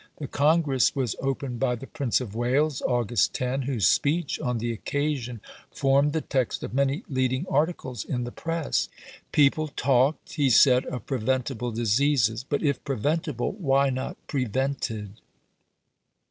The Congress was opened by the Prince of Wales (Aug. 10), whose speech on the occasion formed the text of many leading articles in the press. People talked, he said, of "preventable diseases"; but "if preventable, why not prevented?"